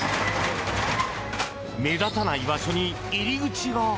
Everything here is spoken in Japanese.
目立たない場所に入り口が。